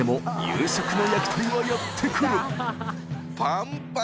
夕食の焼き鳥はやって来る秕討擦皀